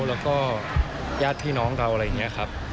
แล้วก็ญาติพี่น้องเราอะไรอย่างนี้ครับ